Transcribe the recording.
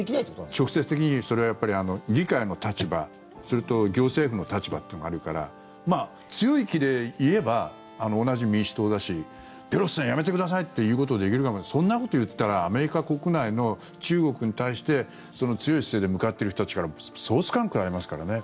直接的にはそれはやっぱり議会の立場それと行政府の立場というのがあるから強い気で言えば同じ民主党だしペロシさんやめてください！って言うことはできるかもしれないけどそんなこと言ったらアメリカ国内の中国に対して強い姿勢で向かっている人たちからも総スカン食らいますからね。